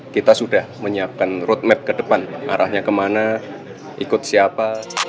kita sudah menyiapkan roadmap ke depan arahnya kemana ikut siapa